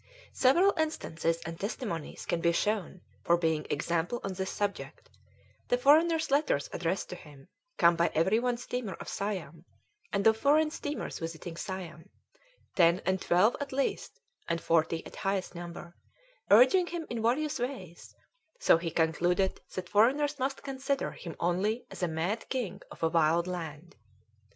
Several instances and testimonies can be shown for being example on this subject the foreigners letters addressed to him, come by every one steamer of Siam, and of foreign steamers visiting Siam; 10 and 12 at least and 40 at highest number, urging him in various ways; so he concluded that foreigners must consider him only as a mad king of a wild land!